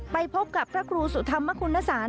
ไปพบกับพระครูสุธรรมคุณสาร